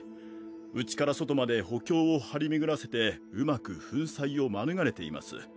内から外まで補強を張り巡らせてうまく粉砕を免れています。